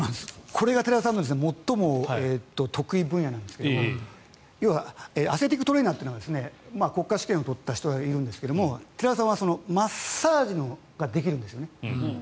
これが寺田さんの最も得意分野なんですが要はアスレチックトレーナーという国家試験を取った人がいるんですが寺田さんはマッサージができるんですね。